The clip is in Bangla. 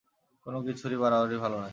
কোন কিছুরই বাড়াবাড়ি ভাল নয়।